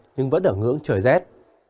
nhưng vẫn ở ngưỡng trời rét